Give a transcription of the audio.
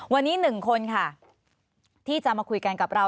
วันนี้๑คนค่ะที่จะมาคุยกันกับเรา